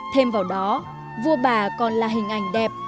thêm vào đó vua bà còn là hình ảnh đẹp